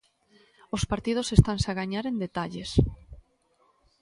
Os partidos estanse a gañar en detalles.